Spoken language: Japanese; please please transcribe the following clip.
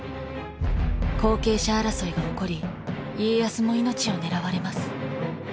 後継者争いが起こり家康も命を狙われます。